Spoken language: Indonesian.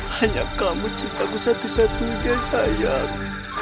hanya kamu cintaku satu satunya sayang